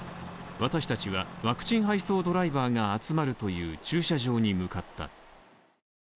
私達はワクチン配送ドライバーが集まるという、駐車場に向かった。